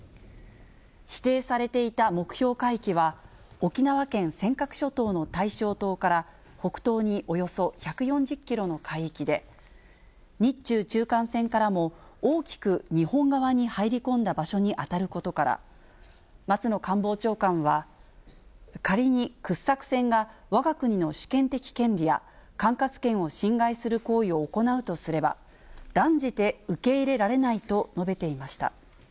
指定されていた目標海域は、沖縄県尖閣諸島の大正島から北東におよそ１４０キロの海域で、日中中間線からも大きく日本側に入り込んだ場所に当たることから、松野官房長官は、仮に掘削船がわが国の主権的権利や、管轄権を侵害する行為を行うとすれば、断じて受け入れられないと述べていました。